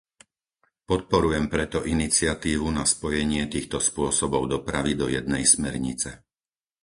Podporujem preto iniciatívu na spojenie týchto spôsobov dopravy do jednej smernice.